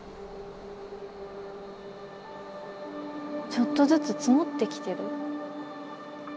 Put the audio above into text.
ちょっとずつ積もってきてる。